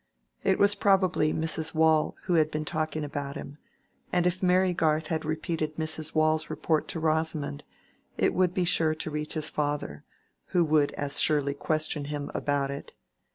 It was probably Mrs. Waule who had been talking about him; and if Mary Garth had repeated Mrs. Waule's report to Rosamond, it would be sure to reach his father, who would as surely question him about it.